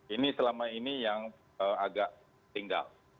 ini selama ini yang agak tinggal